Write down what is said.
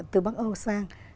từ bắc âu sang